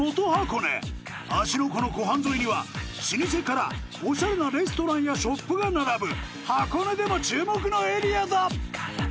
湖の湖畔沿いには老舗からオシャレなレストランやショップが並ぶ箱根でも注目のエリアだ！